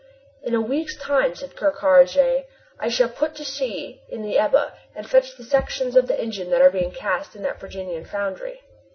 "In a week's time," said Ker Karraje, "I shall put to sea in the Ebba, and fetch the sections of the engines that are being cast in that Virginian foundry."